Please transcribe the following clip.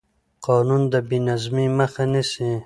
قانون د بې نظمۍ مخه نیسي